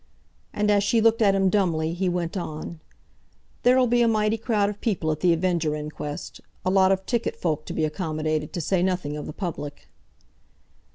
And as she looked at him dumbly, he went on, "There'll be a mighty crowd of people at The Avenger inquest—a lot of ticket folk to be accommodated, to say nothing of the public."